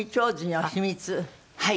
はい。